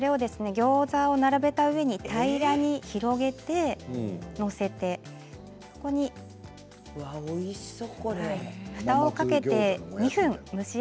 ギョーザを並べた上に平らに広げて載せてそこにふたをかけて２分蒸し焼きにしてください。